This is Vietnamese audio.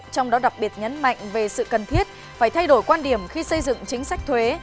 trong đó đặc biệt nhấn mạnh về sự cần thiết phải thay đổi quan điểm khi xây dựng chính sách thuế